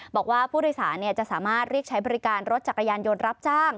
บอกว่าผู้โดยสารจะสามารถเรียกใช้บริการรถจักรยานยนต์รับจ้าง